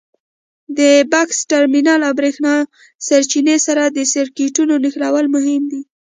د بکس ټرمینل او برېښنا سرچینې سره د سرکټونو نښلول مهم دي.